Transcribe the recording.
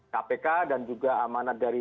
kpk dan juga amanat dari